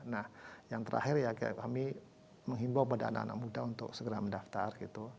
nah yang terakhir ya kami menghimbau pada anak anak muda untuk segera mendaftar gitu